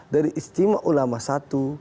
dari istimewa ulama satu